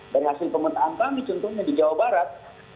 dari hasil pemetaan kami contohnya di jawa barat